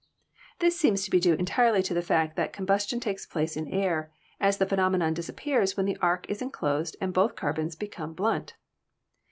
This seems to be due entirely to the fact that combustion takes place in air, as the phenomenon disappears when the arc is enclosed, and both carbons become blunt.